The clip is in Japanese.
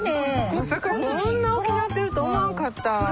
まさかこんな大きなってると思わんかった。